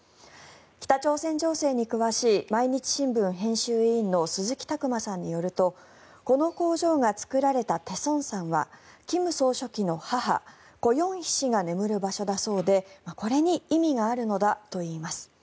北朝鮮情勢に詳しい毎日新聞編集委員の鈴木琢磨さんによるとこの工場が作られた大城山は金総書記の母、コ・ヨンヒ氏が眠る場所だそうでこれに意味があるのだといいます。